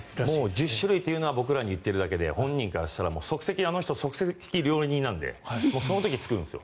１０種類というのは僕らに言ってるだけであの人は即席料理人なのでその時作るんです。